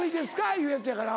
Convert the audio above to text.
いうやつやから。